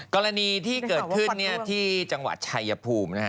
กรณีที่เกิดขึ้นที่จังหวัดชายภูมินะฮะ